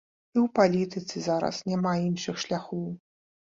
І ў палітыцы зараз няма іншых шляхоў.